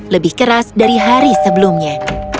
lebih keras dari hari sebelumnya